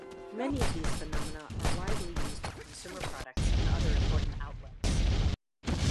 Many of these phenomena are widely used in consumer products and other important outlets.